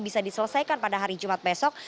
bisa diselesaikan pada hari jumat besok